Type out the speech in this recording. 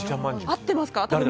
合ってますかね。